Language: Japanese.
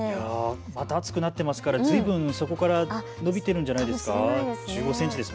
また暑くなってますからずいぶんそこから伸びてるんじゃないですか。